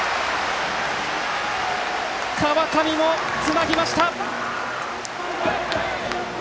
川上もつなぎました。